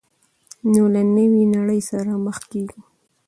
نو له نوې نړۍ سره مخېږو.